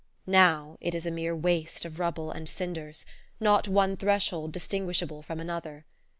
Now it is a mere waste of rubble [Page 58] and cinders, not one threshold distinguishable from another.